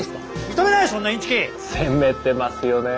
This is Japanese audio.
攻めてますよね。